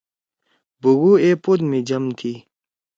بوگو اے پوت می جم تھی۔